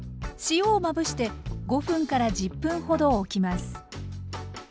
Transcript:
塩をまぶして５分から１０分ほどおきます。